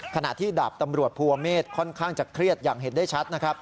ขณะที่ดาบตำรวจภูเมฆค่อนข้างจะเครียดอย่างเห็นได้ชัดนะครับ